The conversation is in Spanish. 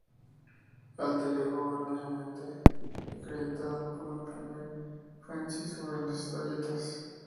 Alter Ego es erróneamente acreditado como el primer fanzine sobre las historietas.